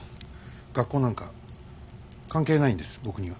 学校なんか関係ないんです僕には。